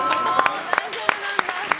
大丈夫なんだ。